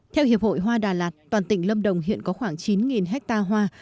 theo hiệp hội hoa đà lạt toàn tỉnh lâm đồng hiện có khoảng chín hectare hoa